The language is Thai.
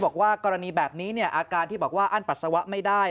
บอกว่ากรณีแบบนี้อาการที่บอกว่าอั้นปัสสาวะไม่ได้